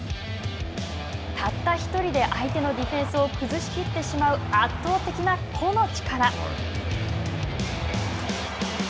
たった１人で相手のディフェンスを崩しきってしまう圧倒的な個の力。